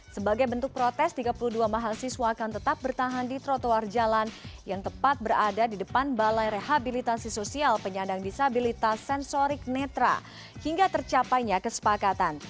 sebagai bentuk protes tiga puluh dua mahasiswa akan tetap bertahan di trotoar jalan yang tepat berada di depan balai rehabilitasi sosial penyandang disabilitas sensorik netra hingga tercapainya kesepakatan